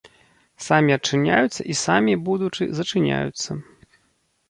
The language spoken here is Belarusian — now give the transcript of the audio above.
Самі адчыняюцца і самі, будучы, зачыняюцца.